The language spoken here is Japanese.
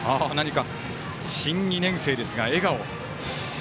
新２年生ですが笑顔。